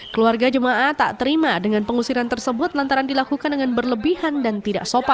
keluarga jemaah tak terima dengan pengusiran tersebut lantaran dilakukan dengan berlebihan dan tidak sopan